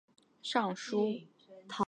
同年升任兵部尚书。